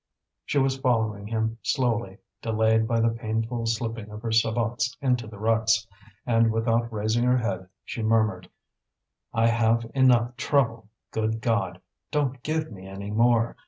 She was following him slowly, delayed by the painful slipping of her sabots into the ruts; and without raising her head she murmured: "I have enough trouble, good God! don't give me any more.